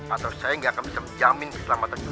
atau saya gak akan bisa menjamin keselamatan yuna